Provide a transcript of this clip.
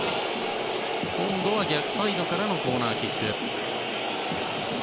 今度は逆サイドからのコーナーキック。